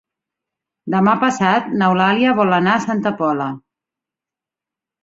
Demà passat n'Eulàlia vol anar a Santa Pola.